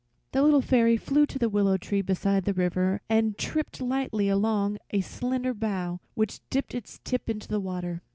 The Little Fairy flew to the willow tree beside the river and tripped lightly along a slender bough which dipped its tip into the water.